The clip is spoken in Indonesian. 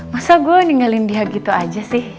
masa gue ninggalin dia gitu aja sih